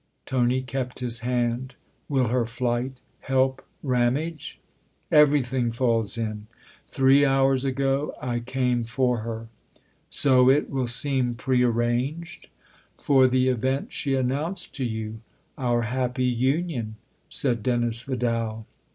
Tony kept his hand. "Will her flight help Ram age ?"" Everything falls in. Three hours ago I came for her." " So it will seem pre arranged ?"" For the event she announced to you. Our happy union !" said Dennis Vidal.